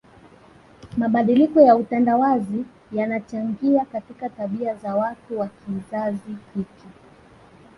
Mabadiliko ya utandawazi yanachangia katika tabia za watu wa kizazi hiki